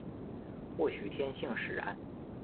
或许天性使然